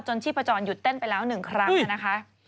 ชีพจรหยุดเต้นไปแล้ว๑ครั้งนะคะ